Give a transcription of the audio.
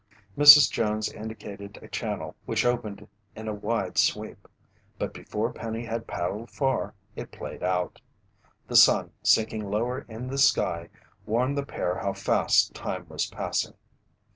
Mrs. Jones indicated a channel which opened in a wide sweep. But before Penny had paddled far, it played out. The sun, sinking lower in the sky, warned the pair how fast time was passing.